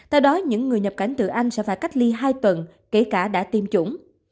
theo đó những người nhập cảnh từ anh sẽ phải cách ly hai tuần kể cả đã tiêm chủng